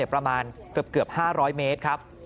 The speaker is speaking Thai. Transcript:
ประมาณเกือบ๕๐๐เมตรครับ